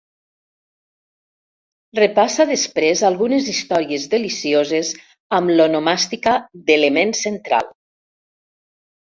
Repassa després algunes històries delicioses amb l'onomàstica d'element central.